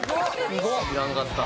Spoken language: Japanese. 知らんかった。